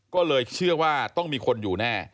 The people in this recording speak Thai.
ก็เลยเชื่อว่าต้องมีคนอยู่แน่